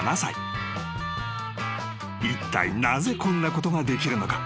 ［いったいなぜこんなことができるのか？］